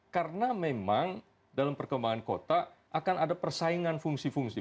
karena memang dalam perkembangan kota akan ada persaingan fungsi fungsi